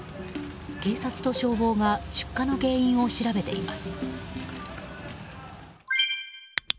警察と消防が出火の原因を調べています。